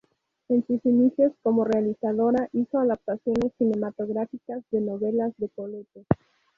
En sus inicios como realizadora hizo adaptaciones cinematográficas de novelas de Colette.